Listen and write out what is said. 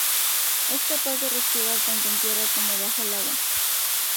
Es capaz de respirar tanto en tierra como bajo el agua.